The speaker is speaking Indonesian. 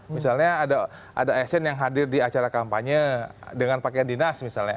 misalnya ada asn yang hadir di acara kampanye dengan pakaian dinas misalnya